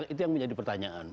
itu yang menjadi pertanyaan